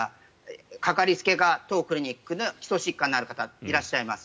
かかりつけが当クリニックで基礎疾患のある方がいらっしゃいます。